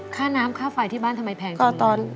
ค่าน้ำค่าไฟที่บ้านทำไมแพงจนไงก็ตอน